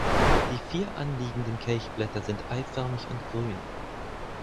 Die vier anliegenden Kelchblätter sind eiförmig und grün.